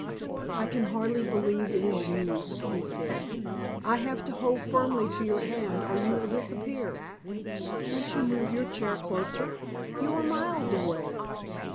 "I can hardly believe it is you," he said. "I have to hold firmly to your hand or you will disappear. Can't you move your chair closer? You are miles away."